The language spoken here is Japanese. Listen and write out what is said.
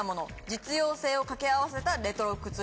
実用性を掛け合わせたレトロ靴下。